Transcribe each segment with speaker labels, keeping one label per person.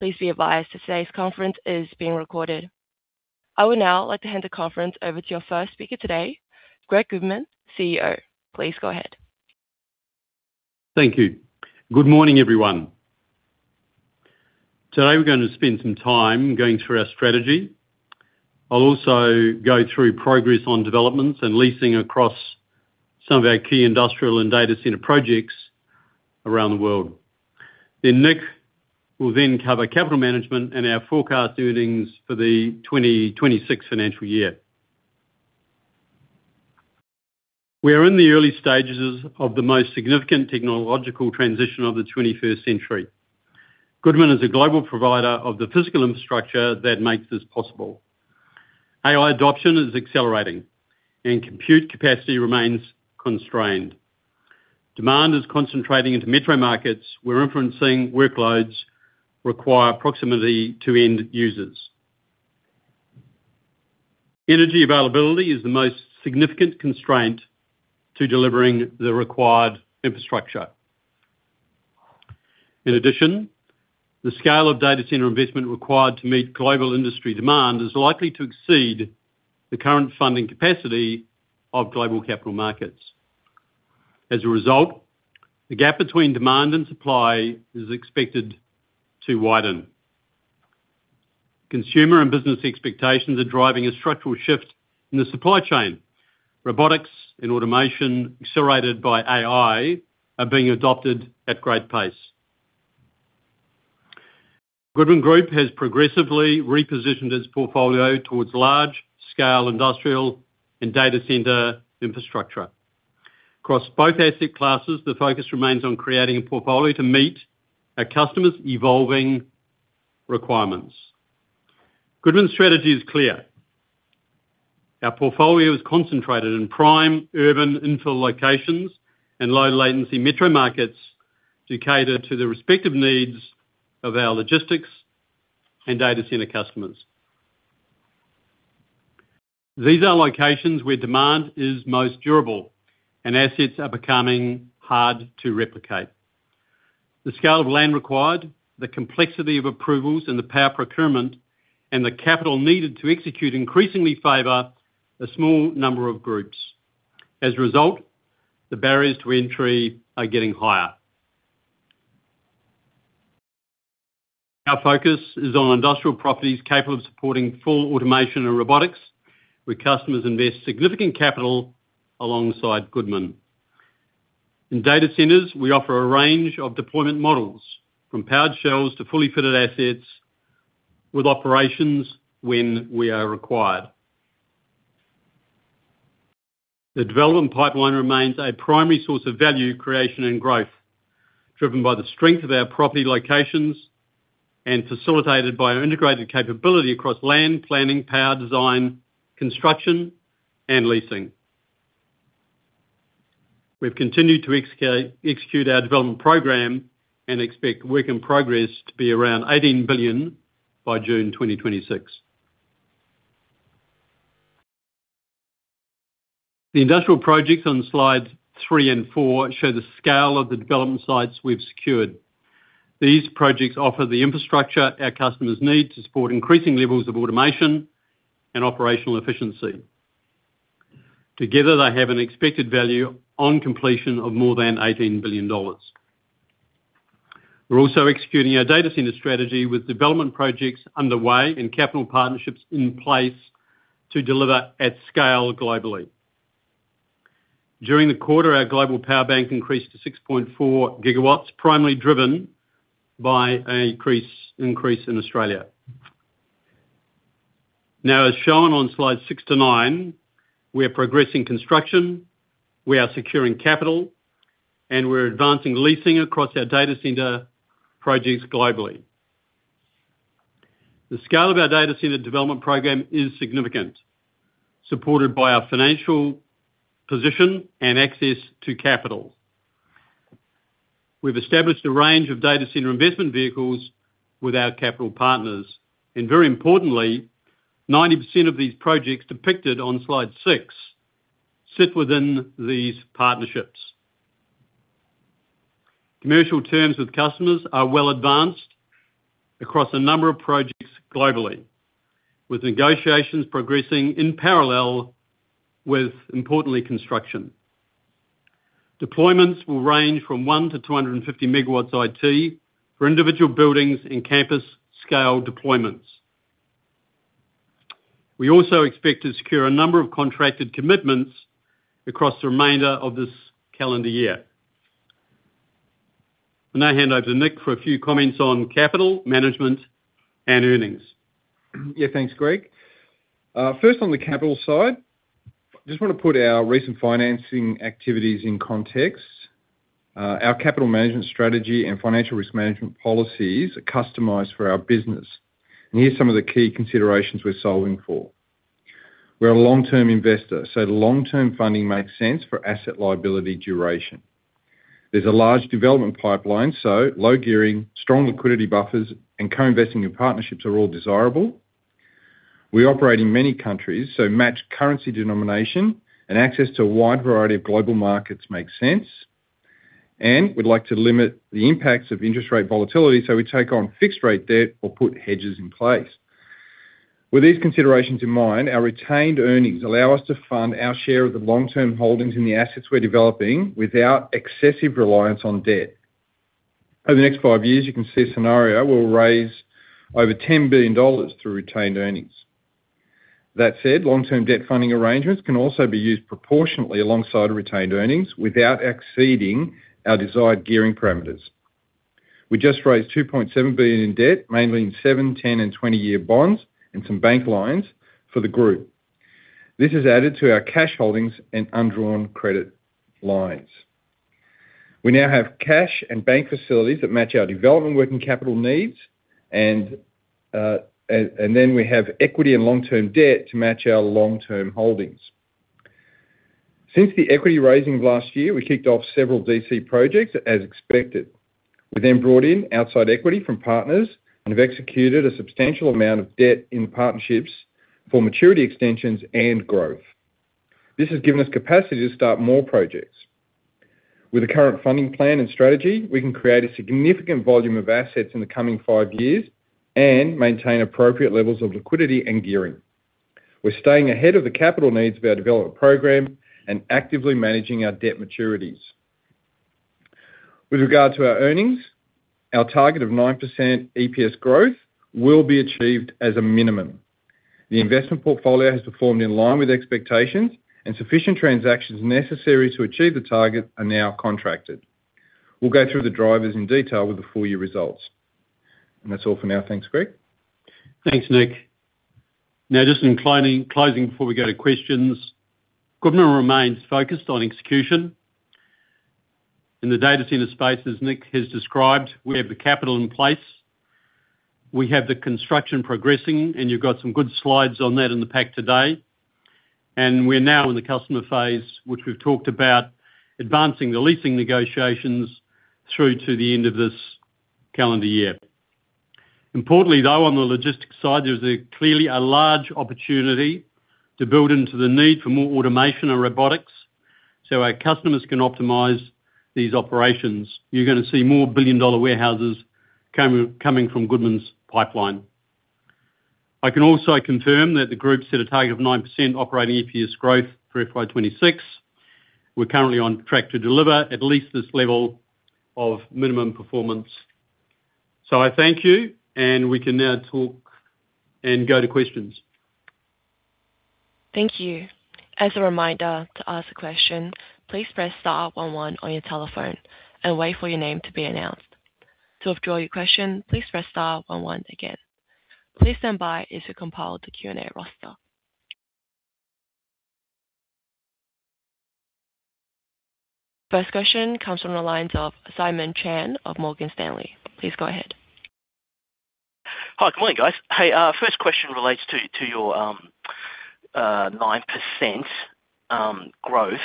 Speaker 1: Please be advised that today's conference is being recorded. I would now like to hand the conference over to your first speaker today, Greg Goodman, CEO. Please go ahead.
Speaker 2: Thank you. Good morning, everyone. Today, we're going to spend some time going through our strategy. I'll also go through progress on developments and leasing across some of our key industrial and data center projects around the world. Nick will then cover capital management and our forecast earnings for the 2026 financial year. We are in the early stages of the most significant technological transition of the 21st century. Goodman is a global provider of the physical infrastructure that makes this possible. AI adoption is accelerating, and compute capacity remains constrained. Demand is concentrating into metro markets, where referencing workloads require proximity to end users. Energy availability is the most significant constraint to delivering the required infrastructure. In addition, the scale of data center investment required to meet global industry demand is likely to exceed the current funding capacity of global capital markets. As a result, the gap between demand and supply is expected to widen. Consumer and business expectations are driving a structural shift in the supply chain. Robotics and automation, accelerated by AI, are being adopted at great pace. Goodman Group has progressively repositioned its portfolio towards large-scale industrial and data center infrastructure. Across both asset classes, the focus remains on creating a portfolio to meet our customers' evolving requirements. Goodman's strategy is clear. Our portfolio is concentrated in prime urban infill locations and low-latency metro markets to cater to the respective needs of our logistics and data center customers. These are locations where demand is most durable and assets are becoming hard to replicate. The scale of land required, the complexity of approvals and the power procurement, and the capital needed to execute increasingly favor a small number of groups. As a result, the barriers to entry are getting higher. Our focus is on industrial properties capable of supporting full automation and robotics, where customers invest significant capital alongside Goodman. In data centers, we offer a range of deployment models, from powered shells to fully fitted assets with operations when we are required. The development pipeline remains a primary source of value creation and growth, driven by the strength of our property locations and facilitated by our integrated capability across land, planning, power design, construction, and leasing. We've continued to execute our development program and expect work in progress to be around 18 billion by June 2026. The industrial projects on slides three and four show the scale of the development sites we've secured. These projects offer the infrastructure our customers need to support increasing levels of automation and operational efficiency. Together, they have an expected value on completion of more than 18 billion dollars. We're also executing our data center strategy with development projects underway and capital partnerships in place to deliver at scale globally. During the quarter, our global power bank increased to 6.4 GW, primarily driven by an increase in Australia. Now, as shown on slides six to nine, we are progressing construction, we are securing capital, and we're advancing leasing across our data center projects globally. The scale of our data center development program is significant, supported by our financial position and access to capital. We've established a range of data center investment vehicles with our capital partners, and very importantly, 90% of these projects depicted on slide six sit within these partnerships. Commercial terms with customers are well advanced across a number of projects globally, with negotiations progressing in parallel with, importantly, construction. Deployments will range from one to 250 MW IT for individual buildings in campus-scale deployments. We also expect to secure a number of contracted commitments across the remainder of this calendar year. I now hand over to Nick for a few comments on capital management and earnings.
Speaker 3: Yeah, thanks, Greg. First, on the capital side, just want to put our recent financing activities in context. Our capital management strategy and financial risk management policies are customized for our business, and here are some of the key considerations we're solving for. We're a long-term investor, so the long-term funding makes sense for asset liability duration. There's a large development pipeline, so low gearing, strong liquidity buffers, and co-investing in partnerships are all desirable. We operate in many countries, so matched currency denomination and access to a wide variety of global markets makes sense. We'd like to limit the impacts of interest rate volatility, so we take on fixed rate debt or put hedges in place. With these considerations in mind, our retained earnings allow us to fund our share of the long-term holdings in the assets we're developing without excessive reliance on debt. Over the next five years, you can see a scenario, we'll raise over 10 billion dollars through retained earnings. That said, long-term debt funding arrangements can also be used proportionately alongside retained earnings without exceeding our desired gearing parameters. We just raised 2.7 billion in debt, mainly in seven-, 10-, and 20-year bonds and some bank loans for the group. This is added to our cash holdings and undrawn credit lines. We now have cash and bank facilities that match our development working capital needs, and then we have equity and long-term debt to match our long-term holdings. Since the equity raising last year, we kicked off several DC projects as expected. We brought in outside equity from partners and have executed a substantial amount of debt in partnerships for maturity extensions and growth. This has given us capacity to start more projects. With the current funding plan and strategy, we can create a significant volume of assets in the coming five years and maintain appropriate levels of liquidity and gearing. We're staying ahead of the capital needs of our development program and actively managing our debt maturities. With regard to our earnings, our target of 9% EPS growth will be achieved as a minimum. The investment portfolio has performed in line with expectations, and sufficient transactions necessary to achieve the target are now contracted. We'll go through the drivers in detail with the full year results. That's all for now. Thanks, Greg.
Speaker 2: Thanks, Nick. Just in closing before we go to questions, Goodman remains focused on execution. In the data center space, as Nick has described, we have the capital in place. We have the construction progressing, you've got some good slides on that in the pack today. We're now in the customer phase, which we've talked about advancing the leasing negotiations through to the end of this calendar year. Importantly, though, on the logistics side, there's clearly a large opportunity to build into the need for more automation and robotics so our customers can optimize these operations. You're going to see more billion-dollar warehouses coming from Goodman's pipeline. I can also confirm that the group set a target of 9% operating EPS growth for FY 2026. We're currently on track to deliver at least this level of minimum performance. I thank you, and we can now talk and go to questions.
Speaker 1: Thank you. As a reminder, to ask a question, please press star one one on your telephone and wait for your name to be announced. To withdraw your question, please press star one one again. Please stand by as we compile the Q&A roster. First question comes on the lines of Simon Chan of Morgan Stanley. Please go ahead.
Speaker 4: Hi, good morning, guys. Hey, first question relates to your 9% growth.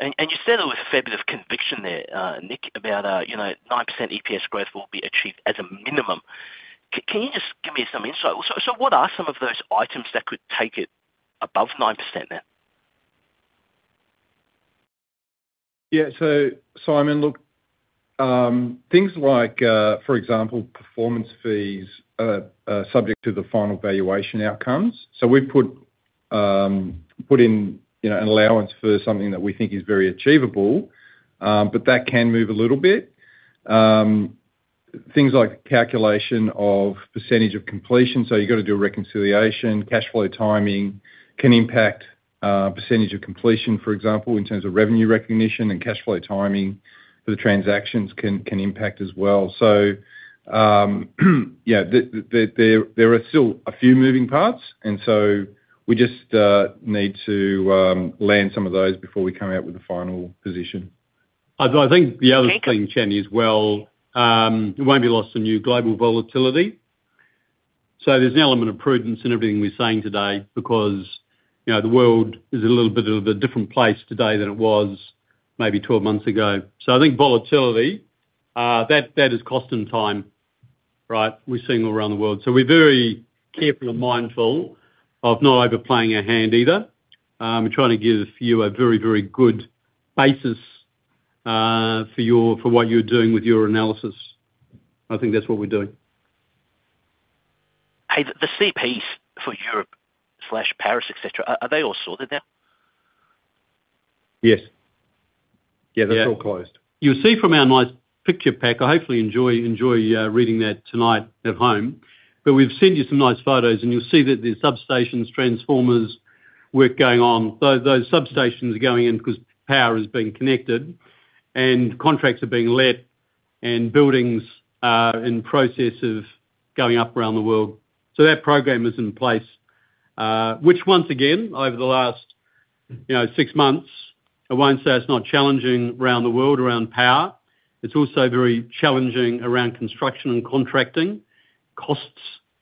Speaker 4: You said it with a fair bit of conviction there, Nick, about 9% EPS growth will be achieved as a minimum. Can you just give me some insight? What are some of those items that could take it above 9% now?
Speaker 3: Yeah. Simon, look, things like, for example, performance fees are subject to the final valuation outcomes. We've put in an allowance for something that we think is very achievable, but that can move a little bit. Things like calculation of percentage of completion. You've got to do a reconciliation. Cash flow timing can impact percentage of completion, for example, in terms of revenue recognition, and cash flow timing for the transactions can impact as well. Yeah, there are still a few moving parts, and we just need to land some of those before we come out with a final position.
Speaker 2: I think the other thing, Simon, as well, we won't be lost on new global volatility. There's an element of prudence in everything we're saying today because the world is a little bit of a different place today than it was maybe 12 months ago. I think volatility, that has cost and time. We're seeing it all around the world. We're very careful and mindful of not overplaying our hand either. We're trying to give you a very good basis for what you're doing with your analysis. I think that's what we're doing.
Speaker 4: Hey, the CPAs for Europe/Paris, et cetera, are they all sorted now?
Speaker 3: Yes. That's all closed.
Speaker 2: You'll see from our nice picture pack, hopefully enjoy reading that tonight at home, but we've sent you some nice photos, and you'll see that there's substations, transformers work going on. Those substations are going in because power is being connected and contracts are being let and buildings are in processes going up around the world. That program is in place, which once again, over the last six months, I won't say it's not challenging around the world around power. It's also very challenging around construction and contracting. Costs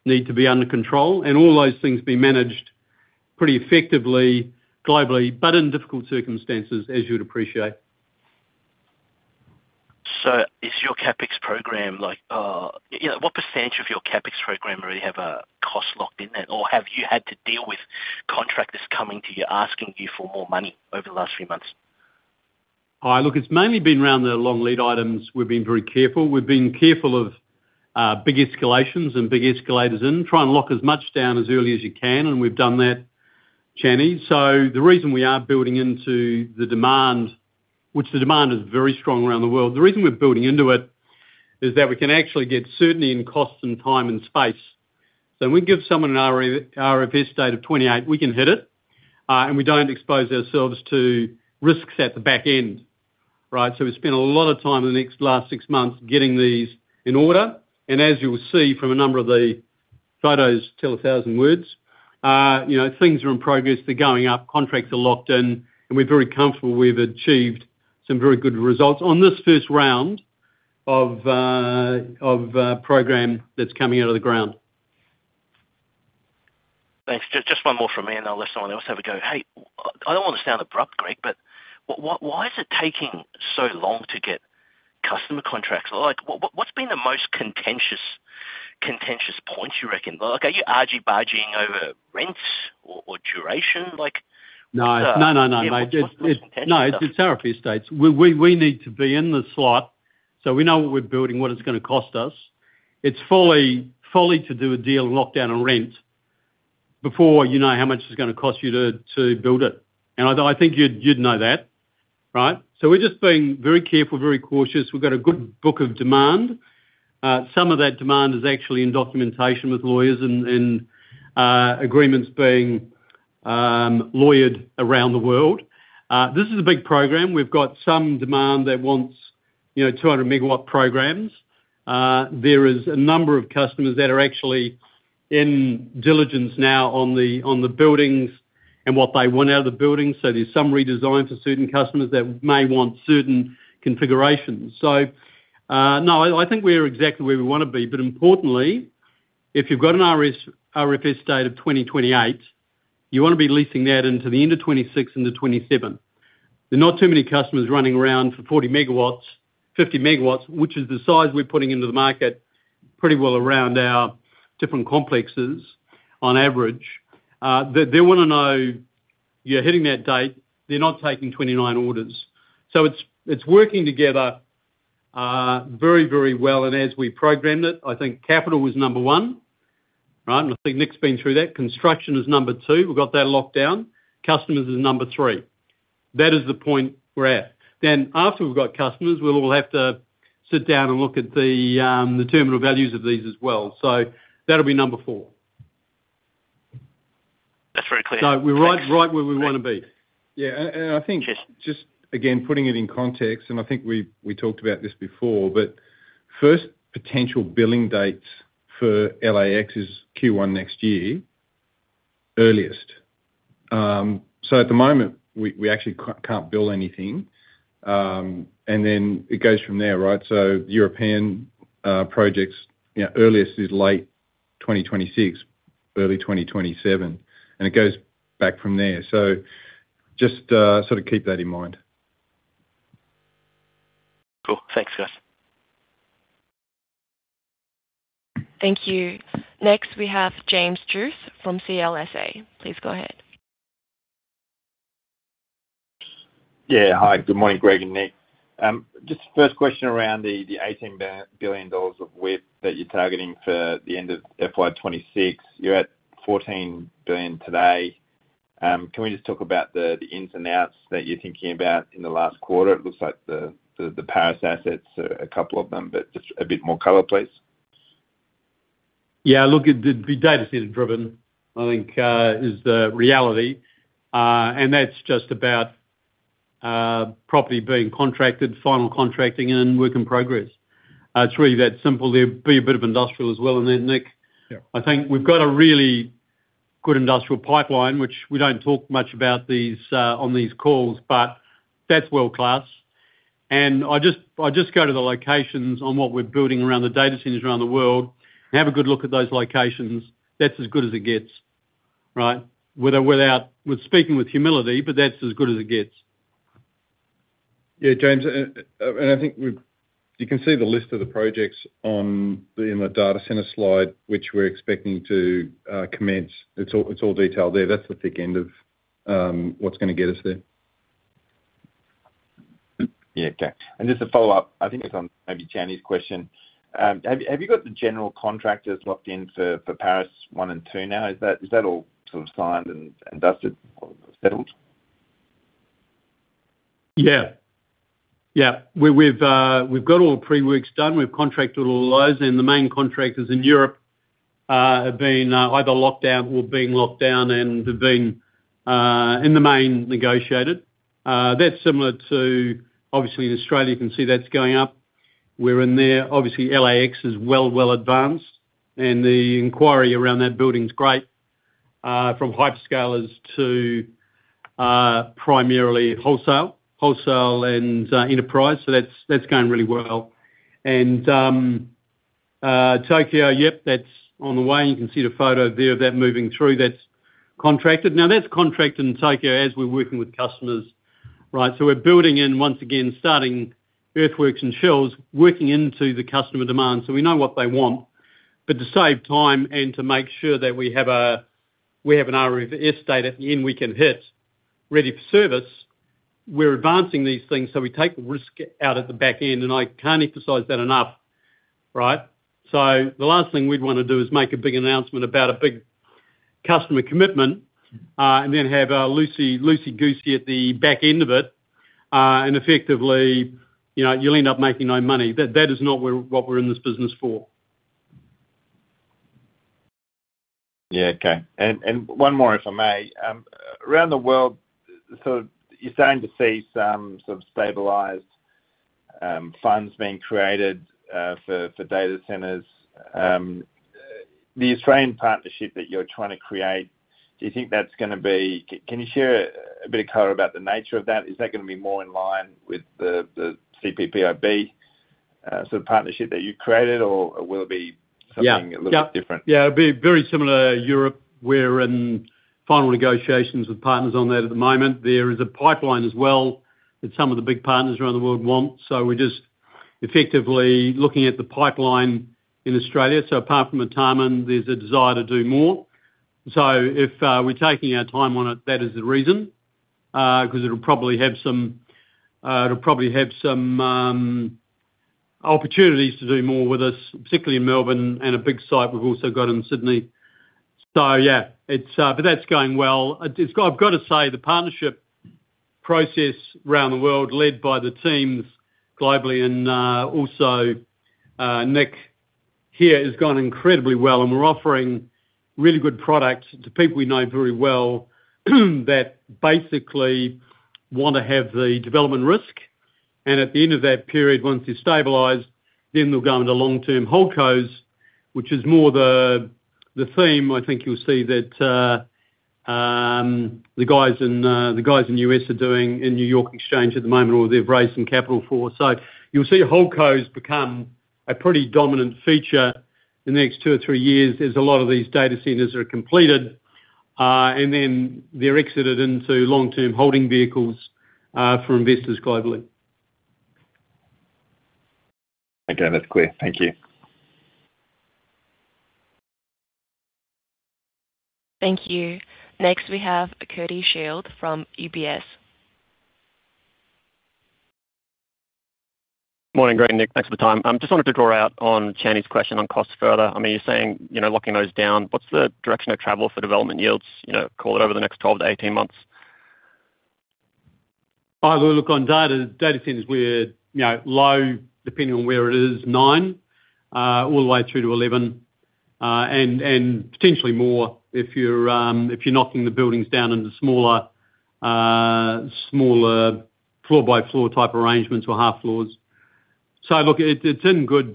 Speaker 2: need to be under control, and all those things being managed pretty effectively globally, but in difficult circumstances, as you'd appreciate.
Speaker 4: What percentage of your CapEx program already have a cost locked in then? Have you had to deal with contractors coming to you asking you for more money over the last few months?
Speaker 2: Look, it's mainly been around the long lead items. We've been very careful. We've been careful of big escalations and big escalators in, try and lock as much down as early as you can, and we've done that, Channy. The reason we are building into the demand, which the demand is very strong around the world, the reason we're building into it is that we can actually get certainty in cost and time and space. When we give someone an RFS date of 2028, we can hit it, and we don't expose ourselves to risks at the back end, right? We've spent a lot of time in the last six months getting these in order. As you will see from a number of the photos tell a thousand words, things are in progress. They're going up. Contracts are locked in, and we're very comfortable we've achieved some very good results on this first round of program that's coming out of the ground.
Speaker 4: Thanks. Just one more from me. I'll let someone else have a go. Hey, I don't want to sound abrupt, Greg. Why is it taking so long to get customer contracts? What's been the most contentious point, you reckon? Are you argy-bargying over rents or duration?
Speaker 2: No.
Speaker 4: Yeah.
Speaker 2: No, it's the early stages. We need to be in the slot so we know what we're building, what it's going to cost us. It's folly to do a deal and lock down a rent before you know how much it's going to cost you to build it. I think you'd know that, right? We're just being very careful, very cautious. We've got a good book of demand. Some of that demand is actually in documentation with lawyers and agreements being lawyered around the world. This is a big program. We've got some demand that wants 200 MW programs. There is a number of customers that are actually in diligence now on the buildings and what they want out of the building. There's some redesign for certain customers that may want certain configurations. No, I think we are exactly where we want to be. Importantly, if you've got an RFS date of 2028, you want to be leasing that into the end of 2026 into 2027. There are not too many customers running around for 40 MW, 50 MW, which is the size we're putting into the market pretty well around our different complexes on average. They want to know you're hitting that date. They're not taking 2029 orders. It's working together very well. As we programmed it, I think capital was number one. Right? I think Nick's been through that. Construction is number two. We've got that locked down. Customers is number three. That is the point we're at. After we've got customers, we will have to sit down and look at the terminal values of these as well. That'll be number four.
Speaker 4: That's very clear.
Speaker 2: We're right where we want to be.
Speaker 3: Yeah.
Speaker 4: Cheers.
Speaker 3: I think just, again, putting it in context, and I think we talked about this before, but first potential billing dates for LAX is Q1 next year, earliest. At the moment, we actually can't bill anything, and then it goes from there, right? European projects, earliest is late 2026, early 2027, and it goes back from there. Just keep that in mind.
Speaker 4: Cool. Thanks, guys.
Speaker 1: Thank you. Next, we have James Druce from CLSA. Please go ahead.
Speaker 5: Yeah. Hi. Good morning, Greg and Nick. Just first question around the 18 billion dollars of WIP that you're targeting for the end of FY 2026. You're at 14 billion today. Can we just talk about the ins and outs that you're thinking about in the last quarter? It looks like the Paris assets are a couple of them, but just a bit more color, please.
Speaker 2: Yeah, look, the data center driven, I think, is the reality. That's just about property being contracted, final contracting, and work in progress. It's really that simple. There'll be a bit of industrial as well in there, Nick.
Speaker 3: Yeah.
Speaker 2: I think we've got a really good industrial pipeline, which we don't talk much about on these calls, but that's world-class. I just go to the locations on what we're building around the data centers around the world, have a good look at those locations. That's as good as it gets, right? With speaking with humility. That's as good as it gets.
Speaker 3: Yeah, James, I think you can see the list of the projects in the data center slide, which we're expecting to commence. It's all detailed there. That's the thick end of what's going to get us there.
Speaker 5: Yeah. Okay. Just a follow-up, I think this is maybe Chan's question. Have you got the general contractors locked in for Paris one and two now? Is that all signed and dusted or settled?
Speaker 2: Yeah. We've got all the pre-works done. We've contracted all those. The main contractors in Europe have been either locked down or being locked down and have been, in the main, negotiated. That's similar to, obviously, in Australia, you can see that's going up. We're in there. Obviously, LAX is well advanced. The inquiry around that building is great from hyperscalers to primarily wholesale and enterprise. That's going really well. Tokyo, yep, that's on the way. You can see the photo there of that moving through. That's contracted. Now that's contracted in Tokyo as we're working with customers, right? We're building in, once again, starting earthworks and shells, working into the customer demand, so we know what they want. To save time and to make sure that we have an RFS state at the end we can hit, ready for service, we're advancing these things, so we take the risk out of the back end, and I can't emphasize that enough. Right? The last thing we'd want to do is make a big announcement about a big customer commitment, and then have loosey goosey at the back end of it. Effectively, you'll end up making no money. That is not what we're in this business for.
Speaker 5: Yeah. Okay. One more, if I may. Around the world, you're starting to see some sort of stabilized funds being created for data centers. The Australian partnership that you're trying to create, can you share a bit of color about the nature of that? Is that going to be more in line with the CPPIB sort of partnership that you created or will it be something-
Speaker 2: Yeah
Speaker 5: -a little bit different?
Speaker 2: Yeah. It'll be very similar to Europe. We're in final negotiations with partners on that at the moment. There is a pipeline as well that some of the big partners around the world want. We're just effectively looking at the pipeline in Australia. Apart from Artarmon, there's a desire to do more. If we're taking our time on it, that is the reason, because it'll probably have some opportunities to do more with us, particularly in Melbourne and a big site we've also got in Sydney. Yeah. That's going well. I've got to say, the partnership process around the world, led by the teams globally and also Nick here, has gone incredibly well and we're offering really good products to people we know very well that basically want to have the development risk. At the end of that period, once they're stabilized, then they'll go into long-term holdcos, which is more the theme I think you'll see that the guys in U.S. are doing in New York Stock Exchange at the moment, or they've raised some capital for. You'll see holdcos become a pretty dominant feature in the next two or three years as a lot of these data centers are completed. Then they're exited into long-term holding vehicles for investors globally.
Speaker 5: Okay. That's clear. Thank you.
Speaker 1: Thank you. Next, we have Cody Shield from UBS.
Speaker 6: Morning, Greg and Nick. Thanks for the time. Just wanted to draw out on Channy's question on costs further. You're saying locking those down. What's the direction of travel for development yields? Call it over the next 12-18 months.
Speaker 2: Look on data centers, we're low, depending on where it is, nine, all the way through to 11. Potentially more if you're knocking the buildings down into smaller floor-by-floor type arrangements or half floors. Look, it's in good,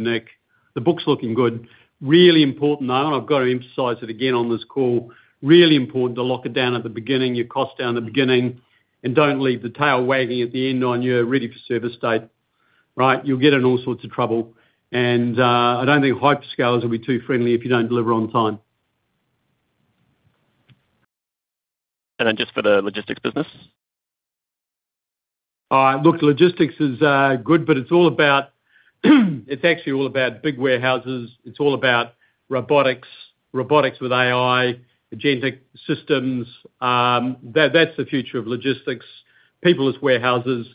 Speaker 2: Nick. The book's looking good. Really important though, and I've got to emphasize it again on this call, really important to lock it down at the beginning, your cost down at the beginning, and don't leave the tail wagging at the end on your ready for service date. Right. You'll get in all sorts of trouble. I don't think hyperscalers will be too friendly if you don't deliver on time.
Speaker 6: Just for the logistics business.
Speaker 2: Look, logistics is good, but it's actually all about big warehouses. It's all about robotics with AI, agentic systems. That's the future of logistics. peerless warehouses,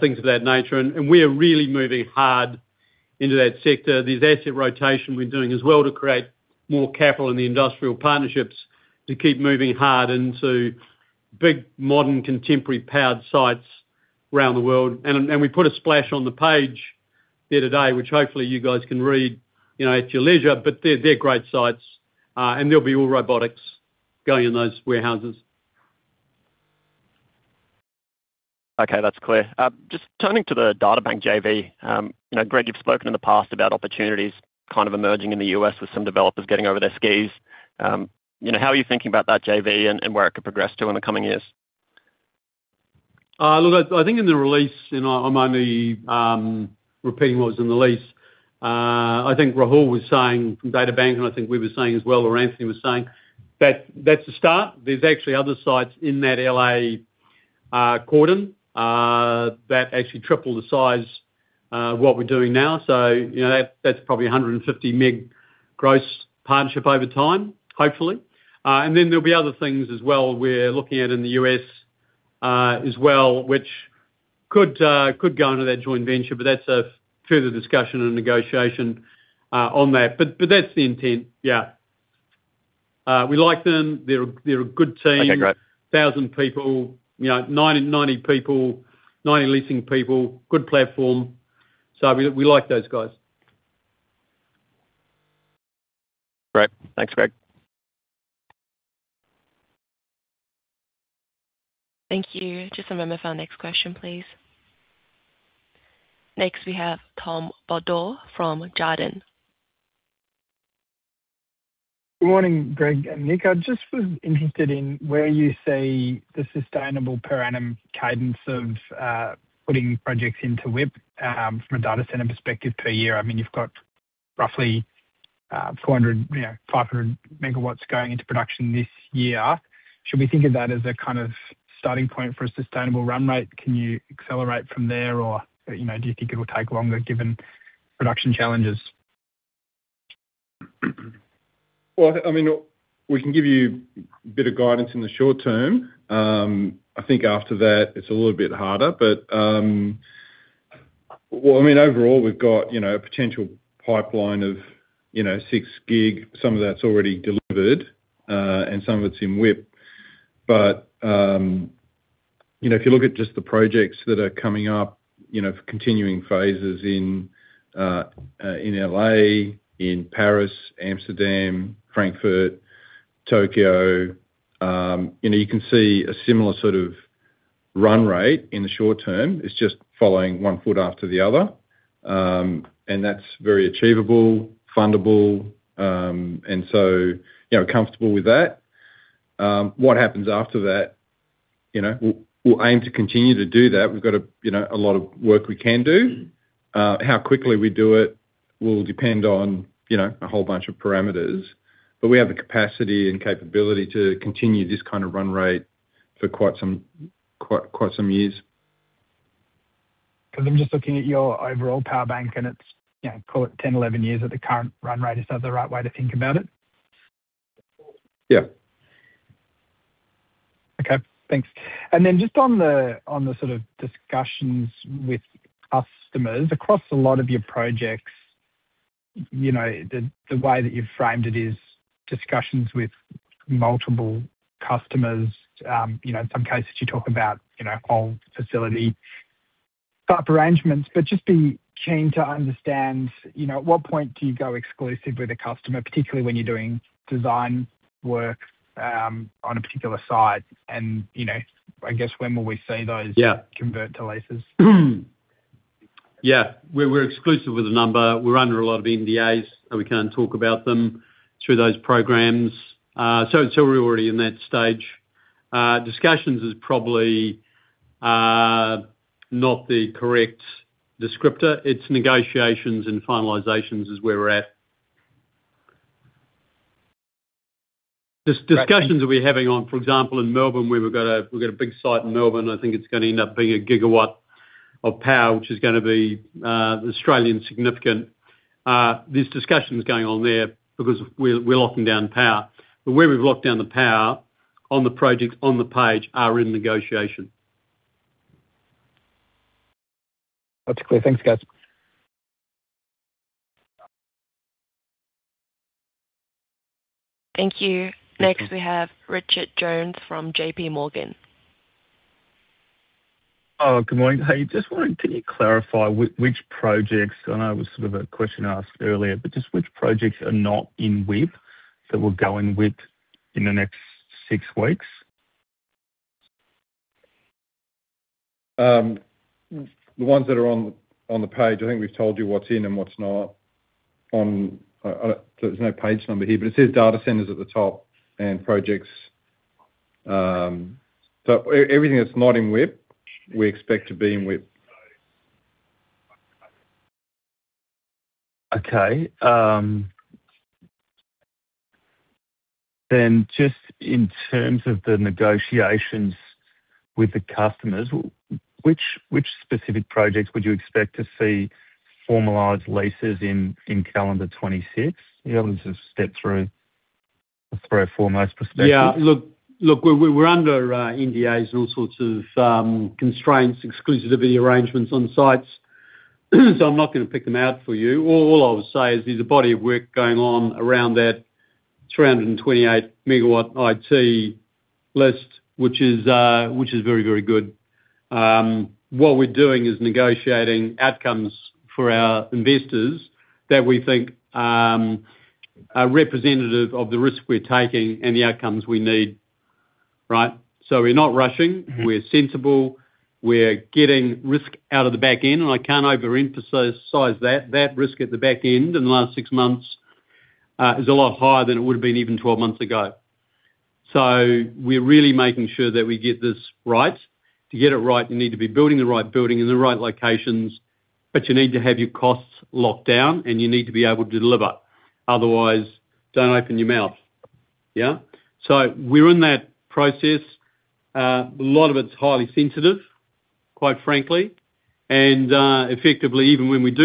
Speaker 2: things of that nature. We are really moving hard into that sector. There's asset rotation we're doing as well to create more capital in the industrial partnerships to keep moving hard into big, modern, contemporary powered sites around the world. We put a splash on the page the other day, which hopefully you guys can read at your leisure. They're great sites. There'll be all robotics going in those warehouses.
Speaker 6: Okay. That's clear. Just turning to the DataBank JV. Greg, you've spoken in the past about opportunities kind of emerging in the U.S. with some developers getting over their skis. How are you thinking about that JV and where it could progress to in the coming years?
Speaker 2: I think in the release, I'm only repeating what was in the release. I think Raul was saying from DataBank, and I think we were saying as well, or Anthony was saying that that's a start. There's actually other sites in that L.A. corridor that actually triple the size what we're doing now. That's probably 150 meg gross partnership over time, hopefully. There'll be other things as well we're looking at in the U.S. as well, which could go into that joint venture, that's a further discussion and negotiation on that. That's the intent. Yeah. We like them. They're a good team.
Speaker 6: Okay. Great.
Speaker 2: 1,000 people. 90 people, 90 leasing people, good platform. We like those guys.
Speaker 6: Great. Thanks, Greg.
Speaker 1: Thank you. Just a moment for our next question, please. Next, we have Tom Bodor from Jarden.
Speaker 7: Good morning, Greg and Nick. I just was interested in where you see the sustainable per annum cadence of putting projects into WIP from a data center perspective per year. You've got roughly 400, 500 MW going into production this year. Should we think of that as a kind of starting point for a sustainable run rate? Can you accelerate from there or do you think it will take longer given production challenges?
Speaker 3: Well, we can give you a bit of guidance in the short term. I think after that it's a little bit harder. Overall, we've got a potential pipeline of six GW. Some of that's already delivered, and some of it's in WIP. If you look at just the projects that are coming up for continuing phases in L.A., in Paris, Amsterdam, Frankfurt, Tokyo, you can see a similar sort of run rate in the short term. It's just following one foot after the other. That's very achievable, fundable, and so we're comfortable with that. What happens after that, we'll aim to continue to do that. We've got a lot of work we can do. How quickly we do it will depend on a whole bunch of parameters. We have the capacity and capability to continue this kind of run rate for quite some years.
Speaker 7: Because I'm just looking at your overall power bank, and it's call it 10, 11 years at the current run rate. Is that the right way to think about it?
Speaker 2: Yeah.
Speaker 7: Okay, thanks. Then just on the sort of discussions with customers. Across a lot of your projects, the way that you've framed it is discussions with multiple customers. In some cases you talk about whole facility type arrangements, just be keen to understand at what point do you go exclusive with a customer, particularly when you're doing design work on a particular site? I guess when will we see those-
Speaker 2: Yeah.
Speaker 7: -convert to leases?
Speaker 2: We're exclusive with a number. We're under a lot of NDAs, so we can't talk about them through those programs. Until we're already in that stage, discussions is probably not the correct descriptor. It's negotiations and finalizations is where we're at. There's discussions that we're having on, for example, in Melbourne, we've got a big site in Melbourne. I think it's going to end up being a gigawatt of power, which is going to be Australian significant. There's discussions going on there because we're locking down power. Where we've locked down the power on the projects on the page are in negotiation.
Speaker 7: That's clear. Thanks, guys.
Speaker 1: Thank you. Next, we have Richard Jones from JPMorgan.
Speaker 8: Oh, good morning. Hey, just wondering, can you clarify which projects, I know it was sort of a question asked earlier, but just which projects are not in WIP that will go in WIP in the next six weeks?
Speaker 3: The ones that are on the page. I think we've told you what's in and what's not on. There's no page number here, but it says data centers at the top and projects. Everything that's not in WIP, we expect to be in WIP.
Speaker 8: Just in terms of the negotiations with the customers, which specific projects would you expect to see formalized leases in calendar 2026? Are you able to just step through a foremost perspective?
Speaker 2: Yeah, look, we're under NDAs and all sorts of constraints, exclusivity arrangements on sites, so I'm not going to pick them out for you. All I'll say is there's a body of work going on around that 328 MW IT list, which is very, very good. What we're doing is negotiating outcomes for our investors that we think are representative of the risk we're taking and the outcomes we need. Right. We're not rushing. We're sensible. We're getting risk out of the back end. I can't overemphasize that. That risk at the back end in the last six months is a lot higher than it would have been even 12 months ago. We're really making sure that we get this right. To get it right, you need to be building the right building in the right locations, you need to have your costs locked down, you need to be able to deliver. Otherwise, don't open your mouth. Yeah. We're in that process. A lot of it's highly sensitive, quite frankly. Effectively, even when we do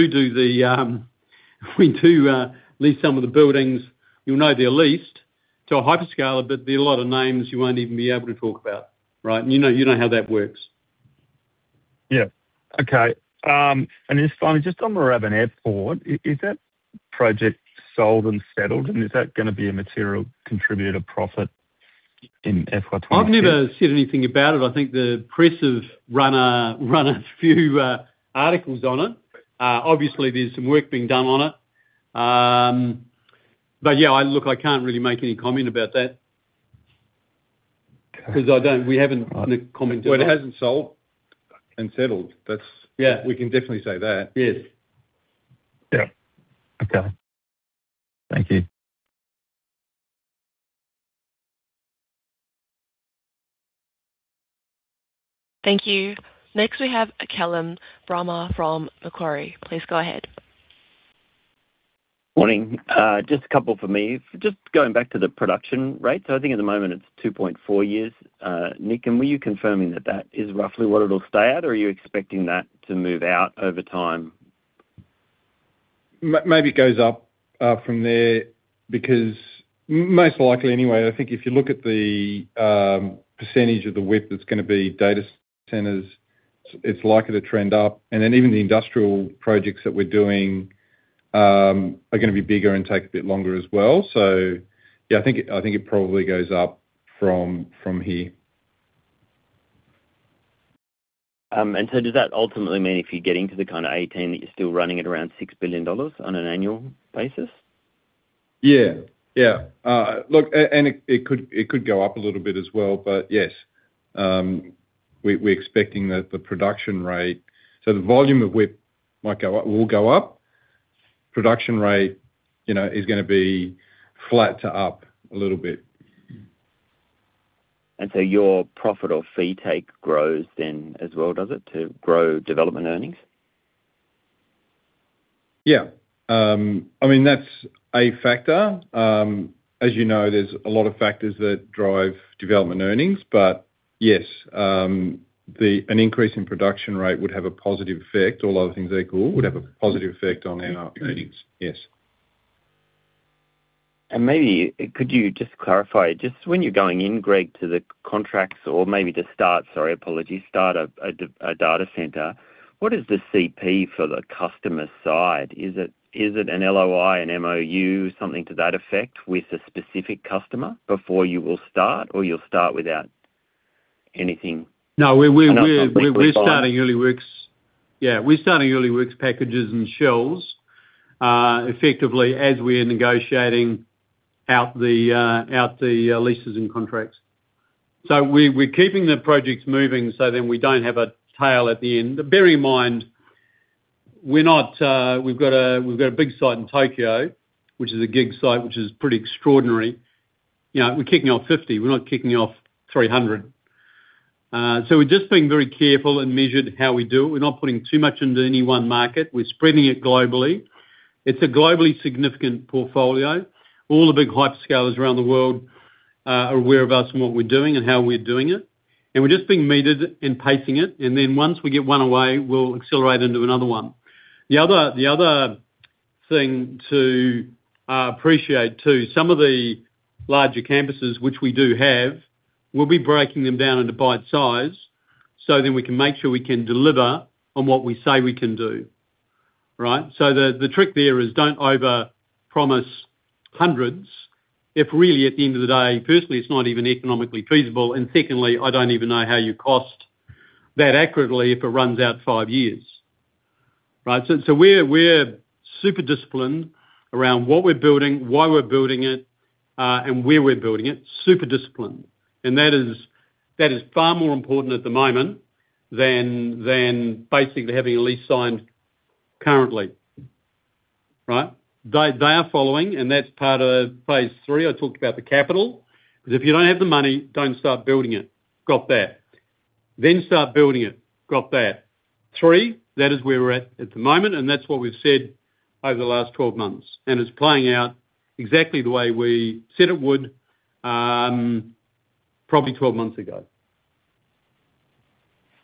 Speaker 2: lease some of the buildings, you'll know they're leased to a hyperscaler, there'll be a lot of names you won't even be able to talk about. Right. You know how that works.
Speaker 8: Yeah. Okay. Finally, just on Moorabbin Airport, is that project sold and settled? Is that going to be a material contributor profit in FY 2026?
Speaker 2: I've never said anything about it. I think the press have run a few articles on it. Obviously, there's some work being done on it. Yeah, look, I can't really make any comment about that. Because we haven't completed-
Speaker 3: Well, it hasn't sold and settled.
Speaker 2: Yeah.
Speaker 3: We can definitely say that.
Speaker 2: Yes.
Speaker 8: Yeah. Okay. Thank you.
Speaker 1: Thank you. Next, we have Callum Bramah from Macquarie. Please go ahead.
Speaker 9: Morning. Just a couple from me. Just going back to the production rate. I think at the moment it's 2.4 years. Nick, were you confirming that is roughly where it'll stay at or are you expecting that to move out over time?
Speaker 3: Maybe it goes up from there because most likely anyway, I think if you look at the percentage of the WIP that's going to be data centers, it's likely to trend up. Then even the industrial projects that we're doing are going to be bigger and take a bit longer as well. Yeah, I think it probably goes up from here.
Speaker 9: Does that ultimately mean if you're getting to the kind of 18 that you're still running at around 6 billion dollars on an annual basis?
Speaker 3: Yeah. Look, it could go up a little bit as well, but yes, we're expecting that the volume of WIP will go up. Production rate is going to be flat to up a little bit.
Speaker 9: Your profit or fee take grows then as well, does it, to grow development earnings?
Speaker 3: Yeah. That's a factor. As you know, there's a lot of factors that drive development earnings. Yes, an increase in production rate would have a positive effect. All other things equal, would have a positive effect on our earnings. Yes.
Speaker 9: Maybe could you just clarify, just when you're going in, Greg, to the contracts or maybe to start, sorry, apologies, start a data center? What is the CP for the customer side? Is it an LOI, an MOU, something to that effect with a specific customer before you will start or you'll start without anything-
Speaker 2: No.
Speaker 9: -else in place at all?
Speaker 2: We're starting early works packages and shells, effectively as we're negotiating out the leases and contracts. We're keeping the projects moving so then we don't have a tail at the end. Bear in mind, we've got a big site in Tokyo, which is a gig site, which is pretty extraordinary. We're kicking off 50. We're not kicking off 300. We're just being very careful and measured how we do it. We're not putting too much into any one market. We're spreading it globally. It's a globally significant portfolio. All the big hyperscalers around the world are aware of us and what we're doing and how we're doing it, and we're just being meted and pacing it, and then once we get one away, we'll accelerate into another one. The other thing to appreciate too, some of the larger campuses, which we do have, we'll be breaking them down into bite size so that we can make sure we can deliver on what we say we can do. Right. The trick there is don't over-promise hundreds, if really at the end of the day, firstly, it's not even economically feasible, and secondly, I don't even know how you cost that accurately if it runs out five years. Right. We're super disciplined around what we're building, why we're building it, and where we're building it. Super disciplined. That is far more important at the moment than basically having a lease signed currently. Right. They are following, and that's part of phase 3. I talked about the capital, because if you don't have the money, don't start building it. Stop there. Start building it. Stop there. Three, that is where we're at at the moment, and that's what we've said over the last 12 months, and it's playing out exactly the way we said it would, probably 12 months ago.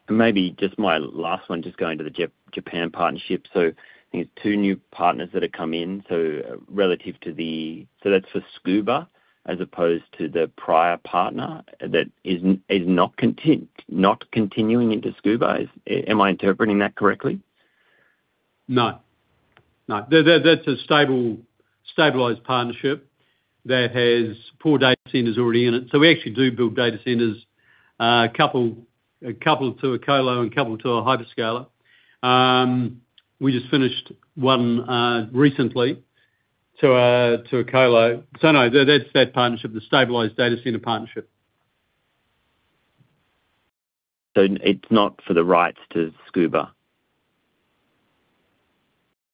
Speaker 9: Maybe just my last one, just going to the Japan partnership. I think it's two new partners that have come in, so that's for Tsukuba as opposed to the prior partner that is not continuing into Tsukuba. Am I interpreting that correctly?
Speaker 2: No. That's a stabilized partnership that has four data centers already in it. We actually do build data centers, a couple to a colo and a couple to a hyperscaler. We just finished one recently to a colo. No, that's that partnership, the stabilized data center partnership.
Speaker 9: It's not for the rights to Tsukuba?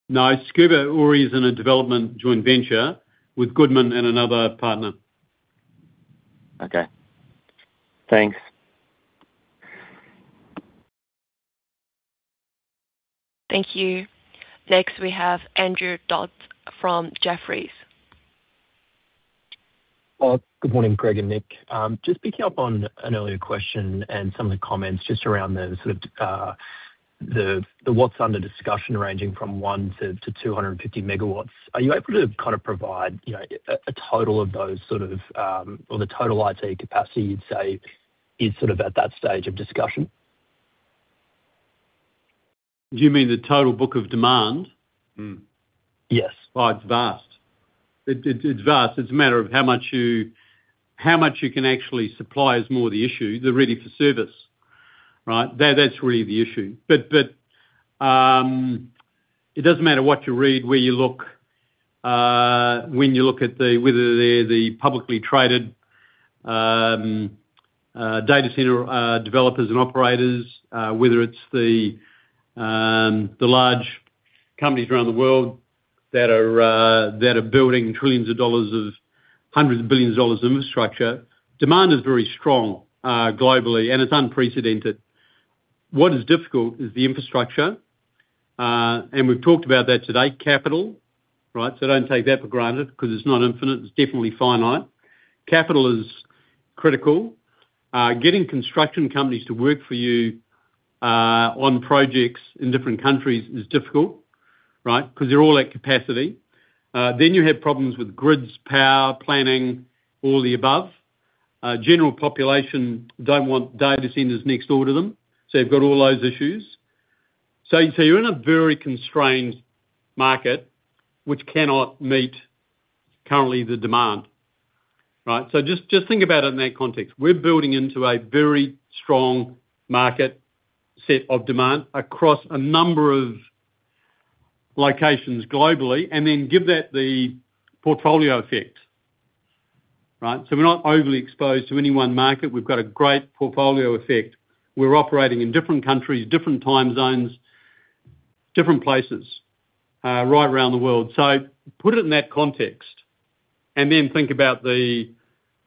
Speaker 2: No, Tsukuba already is in a development joint venture with Goodman and another partner.
Speaker 9: Okay. Thanks.
Speaker 1: Thank you. Next, we have Andrew Dodds from Jefferies.
Speaker 10: Good morning, Greg Goodman and Nick. Just picking up on an earlier question and some of the comments just around the what's under discussion ranging from 1 MW-250 MW. Are you able to provide a total of those, or the total IT capacity you'd say is at that stage of discussion?
Speaker 2: Do you mean the total book of demand?
Speaker 10: Yes.
Speaker 2: Oh, it's vast. It's vast. It's a matter of how much you can actually supply is more the issue. They're Ready for Service. Right. That's really the issue. It doesn't matter what you read, where you look, when you look at whether they're the publicly traded data center developers and operators, whether it's the large companies around the world that are building trillions of dollars, hundreds of billions of dollars of infrastructure, demand is very strong globally, and it's unprecedented. What is difficult is the infrastructure, and we've talked about that today, capital. Don't take that for granted because it's not infinite. It's definitely finite. Capital is critical. Getting construction companies to work for you on projects in different countries is difficult, because they're all at capacity. You have problems with grids, power, planning, all the above. General population don't want data centers next door to them. You've got all those issues. You're in a very constrained market, which cannot meet currently the demand. Just think about it in that context. We're building into a very strong market set of demand across a number of locations globally, and then give that the portfolio effect. We're not overly exposed to any one market. We've got a great portfolio effect. We're operating in different countries, different time zones, different places, right around the world. Put it in that context, and then think about the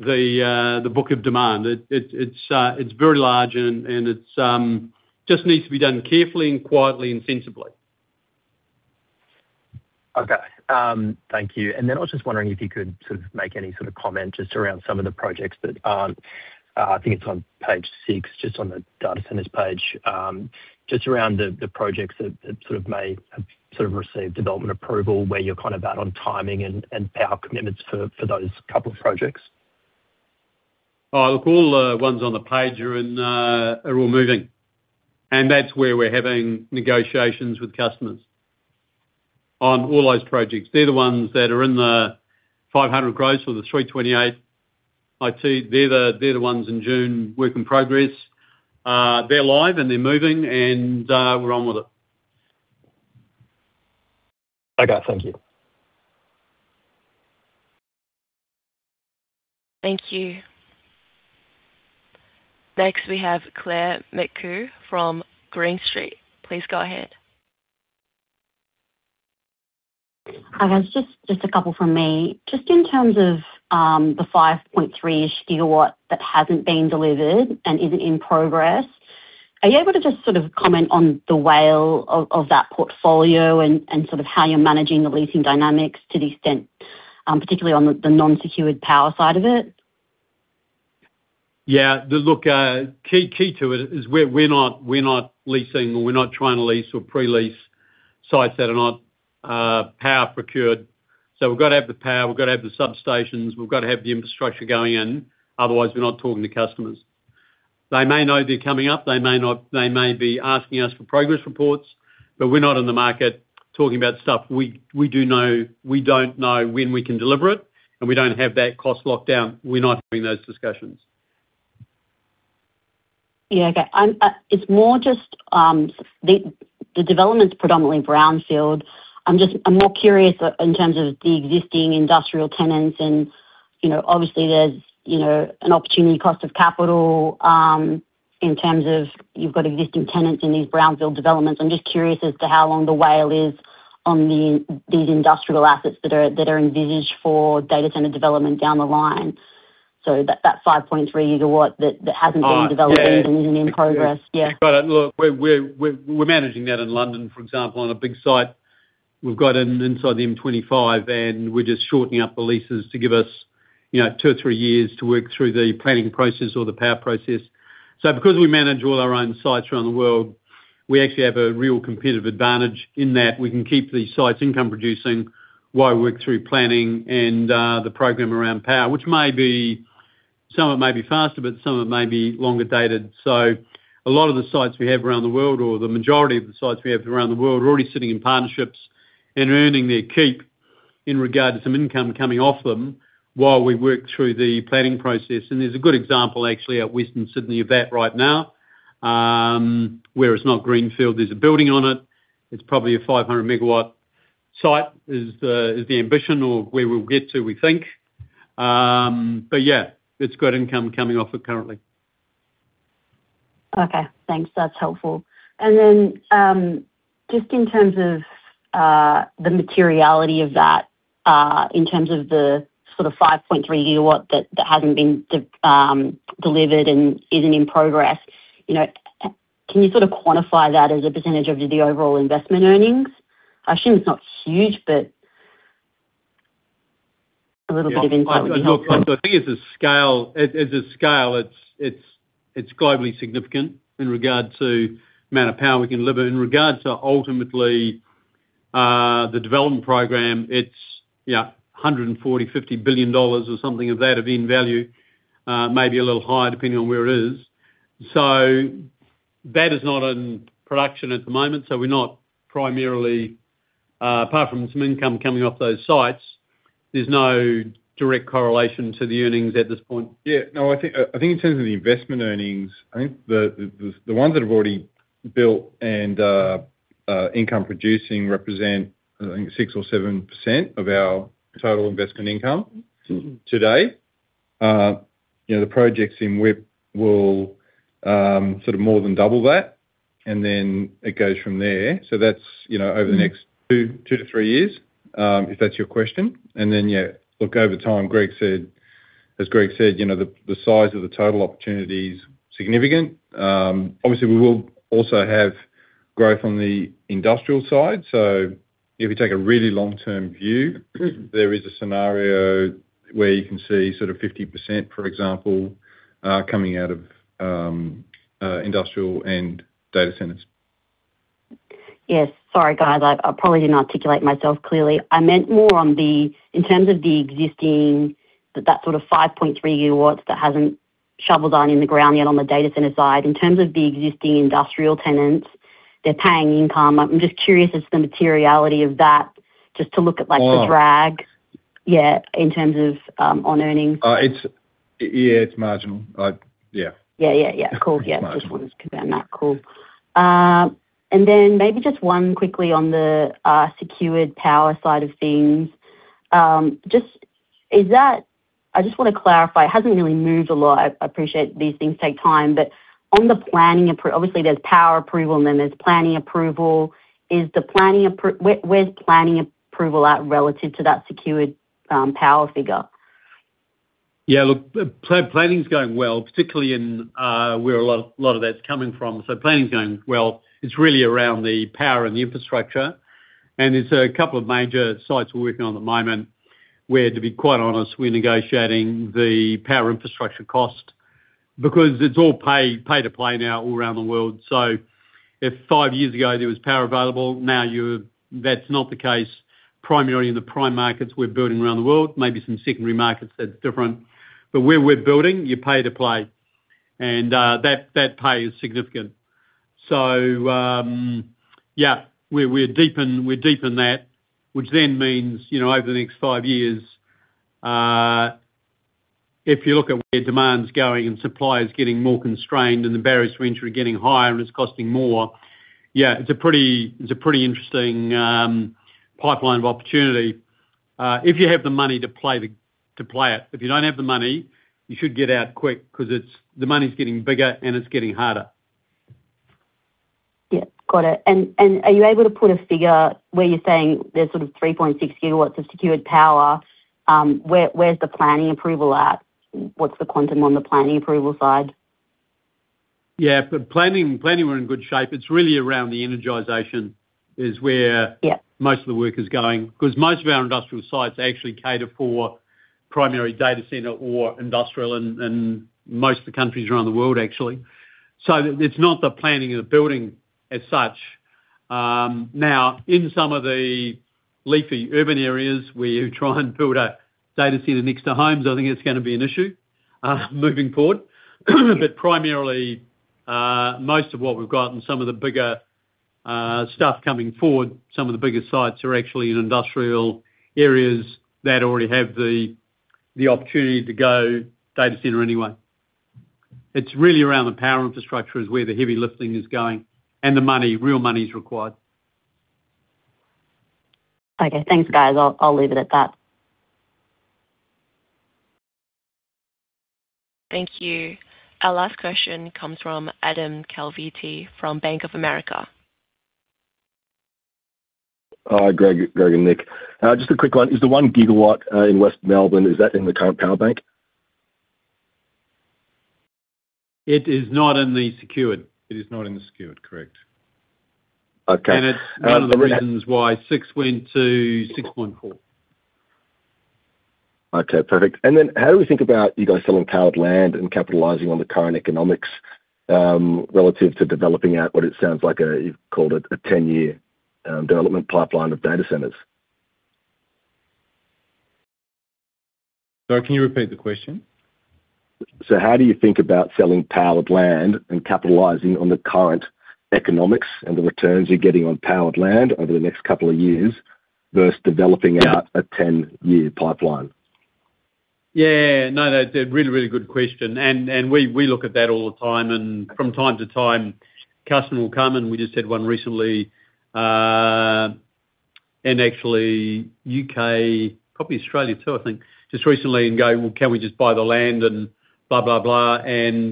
Speaker 2: book of demand. It's very large, and it just needs to be done carefully and quietly and sensibly.
Speaker 10: Okay. Thank you. Then I was just wondering if you could make any comment just around some of the projects that aren't, I think it's on page six, just on the data centers page, just around the projects that may have received development approval where you're out on timing and power commitments for those couple projects.
Speaker 2: Look, all the ones on the page are all moving, and that's where we're having negotiations with customers on all those projects. They're the ones that are in the 500 growth or the 328 IT. They're the ones in June, work in progress. They're live, and they're moving, and we're on with it.
Speaker 10: Okay. Thank you.
Speaker 1: Thank you. Next, we have Claire McKew from Green Street. Please go ahead.
Speaker 11: Just a couple from me. Just in terms of the 5.3-ish GW that hasn't been delivered and isn't in progress, are you able to just comment on the whole of that portfolio and how you're managing the leasing dynamics to the extent, particularly on the non-secured power side of it?
Speaker 2: Yeah. Look, key to it is we're not leasing or we're not trying to lease or pre-lease sites that are not power procured. We've got to have the power, we've got to have the substations, we've got to have the infrastructure going in. Otherwise, we're not talking to customers. They may know they're coming up. They may be asking us for progress reports, but we're not in the market talking about stuff we don't know when we can deliver it, and we don't have that cost locked down. We're not doing those discussions.
Speaker 11: Yeah, okay. It's more just the development's predominantly brownfield. I'm more curious in terms of the existing industrial tenants and, obviously there's an opportunity cost of capital, in terms of you've got existing tenants in these brownfield developments. I'm just curious as to how long the WALE is on these industrial assets that are envisaged for data center development down the line. That 5.3 GW that hasn't been developed and isn't in progress yet.
Speaker 2: Look, we're managing that in London, for example, on a big site. We've got in inside the M25, and we're just shortening up the leases to give us two or three years to work through the planning process or the power process. Because we manage all our own sites around the world, we actually have a real competitive advantage in that we can keep these sites income producing while we work through planning and the program around power, which some of it may be faster, but some of it may be longer dated. A lot of the sites we have around the world, or the majority of the sites we have around the world, are already sitting in partnerships and earning their keep in regard to some income coming off them while we work through the planning process. There's a good example actually at Western Sydney of that right now, where it's not greenfield, there's a building on it. It's probably a 500 MW site is the ambition or where we'll get to, we think. Yeah, it's got income coming off it currently.
Speaker 11: Okay, thanks. That's helpful. Then, just in terms of the materiality of that, in terms of the 5.3 GW that hadn't been delivered and isn't in progress, can you quantify that as a percentage of the overall investment earnings? I assume it's not huge, but a little bit.
Speaker 2: Look, I think as a scale, it's globally significant in regard to the amount of power we can deliver. In regards to ultimately the development program, it's 140 billion-150 billion dollars or something of that of in value, maybe a little higher depending on where it is. That is not in production at the moment, so we're not primarily, apart from some income coming off those sites
Speaker 11: There's no direct correlation to the earnings at this point?
Speaker 3: No, I think in terms of the investment earnings, I think the ones that have already built and are income producing represent, I think, 6% or 7% of our total investment income today. The projects in WIP will more than double that, and then it goes from there. That's over the next two to three years, if that's your question. Then, look, over time, as Greg Goodman said, the size of the total opportunity is significant. Obviously, we will also have growth on the industrial side. If you take a really long-term view, there is a scenario where you can see 50%, for example, coming out of industrial and data centers.
Speaker 11: Yes. Sorry, guys, I probably didn't articulate myself clearly. I meant more in terms of the existing, that 5.3 GW that hasn't shovels are in the ground yet on the data center side. In terms of the existing industrial tenants, they're paying income. I'm just curious as to the materiality of that.
Speaker 3: Oh.
Speaker 11: Yeah, in terms of on earnings.
Speaker 3: Yeah, it's marginal. Yeah.
Speaker 11: Yeah, cool.
Speaker 3: It's marginal.
Speaker 11: Yeah. Just wanted to confirm that. Cool. Maybe just one quickly on the secured power side of things. I just want to clarify, it hasn't really moved a lot. I appreciate these things take time, but on the planning, obviously there's power approval, and then there's planning approval. Where's planning approval at relative to that secured power figure?
Speaker 2: Yeah, look, planning's going well, particularly in where a lot of that's coming from. Planning's going well. It's really around the power and the infrastructure. There's a couple of major sites we're working on at the moment, where, to be quite honest, we're negotiating the power infrastructure cost because it's all pay-to-play now all around the world. If five years ago there was power available, now that's not the case, primarily in the prime markets we're building around the world. Maybe some secondary markets, that's different. Where we're building, you pay to play, and that pay is significant. Yeah, we're deep in that, which then means, over the next five years, if you look at where demand's going and supply is getting more constrained and the barriers to entry are getting higher and it's costing more, yeah, it's a pretty interesting pipeline of opportunity. If you have the money to play it. If you don't have the money, you should get out quick because the money's getting bigger and it's getting harder.
Speaker 11: Yeah. Got it. Are you able to put a figure where you're saying there's 3.6 GW of secured power, where's the planning approval at? What's the quantum on the planning approval side?
Speaker 2: Yeah, planning, we're in good shape. It's really around the energization is where.
Speaker 11: Yeah
Speaker 2: Most of the work is going. Most of our industrial sites actually cater for primary data center or industrial in most of the countries around the world, actually. It's not the planning and the building as such. Now, in some of the leafy urban areas where you try and build a data center next to homes, I think it's going to be an issue moving forward. Primarily, most of what we've got and some of the bigger stuff coming forward, some of the bigger sites are actually in industrial areas that already have the opportunity to go data center anyway. It's really around the power infrastructure is where the heavy lifting is going, and the money, real money is required.
Speaker 11: Okay. Thanks, guys. I'll leave it at that.
Speaker 1: Thank you. Our last question comes from Adam Calvetti from Bank of America.
Speaker 12: Hi, Greg and Nick. Just a quick one. Is the 1 GW in West Melbourne, is that in the current power bank?
Speaker 2: It is not in the secured. It is not in the secured, correct.
Speaker 12: Okay.
Speaker 2: It's one of the reasons why 6 went to 6.4.
Speaker 12: Okay, perfect. How do we think about you guys selling powered land and capitalizing on the current economics, relative to developing out what it sounds like, you've called it a 10-year development pipeline of data centers?
Speaker 2: Sorry, can you repeat the question?
Speaker 12: How do you think about selling powered land and capitalizing on the current economics and the returns you're getting on powered land over the next couple of years versus developing out a 10-year pipeline?
Speaker 2: Yeah, no, a really good question. We look at that all the time. From time to time, a customer will come, and we just had one recently, and actually U.K., probably Australia too, I think, just recently, and go, "Well, can we just buy the land and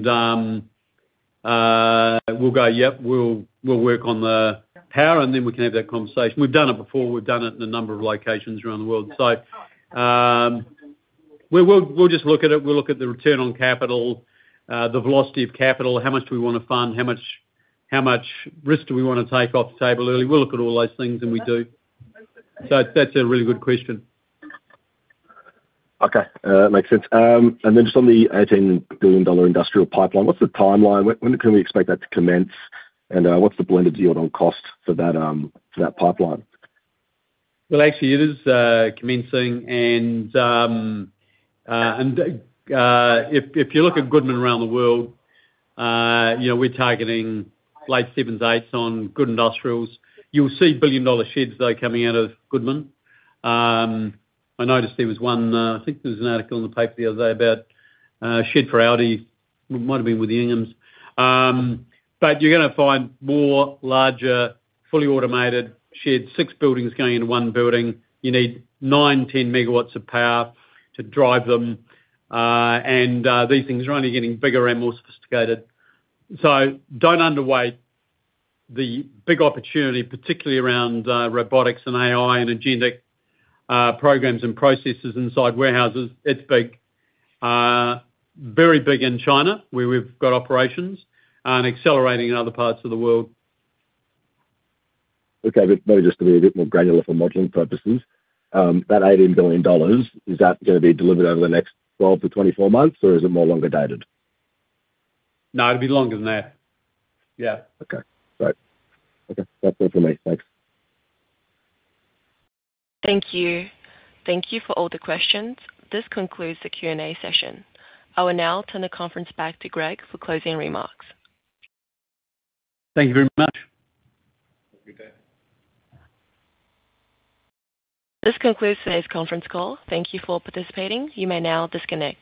Speaker 2: blah, blah?" We'll go, "Yep, we'll work on the power, and then we can have that conversation." We've done it before. We've done it in a number of locations around the world. We'll just look at it. We'll look at the return on capital, the velocity of capital, how much do we want to fund, how much risk do we want to take off the table early. We'll look at all those things, and we do. That's a really good question.
Speaker 12: Okay. That makes sense. Just on the 18 billion dollar industrial pipeline, what's the timeline? When can we expect that to commence? What's the blended yield on cost for that pipeline?
Speaker 2: Well, actually, it is commencing and if you look at Goodman around the world, we're targeting late sevens, eights on good industrials. You'll see billion-dollar sheds, though, coming out of Goodman. I noticed there was one, I think there was an article in the paper the other day about a shed for ALDI. It might've been with Inghams. You're going to find more larger, fully automated sheds, six buildings going into one building. You need nine, 10 MW of power to drive them. These things are only getting bigger and more sophisticated. Don't underweight the big opportunity, particularly around robotics and AI and agentic programs and processes inside warehouses. It's big. Very big in China, where we've got operations, and accelerating in other parts of the world.
Speaker 12: Okay. Maybe just to be a bit more granular for modeling purposes. That AUD 18 billion, is that going to be delivered over the next 12-24 months, or is it more longer dated?
Speaker 2: No, it'll be longer than that. Yeah.
Speaker 12: Okay. Great. Okay. That's it from me. Thanks.
Speaker 1: Thank you. Thank you for all the questions. This concludes the Q&A session. I will now turn the conference back to Greg for closing remarks.
Speaker 2: Thank you very much.
Speaker 1: This concludes today's conference call. Thank you for participating. You may now disconnect.